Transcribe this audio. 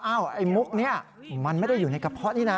ไอ้มุกนี้มันไม่ได้อยู่ในกระเพาะนี่นะ